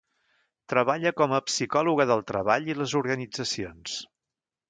Treballa com a psicòloga del treball i les organitzacions.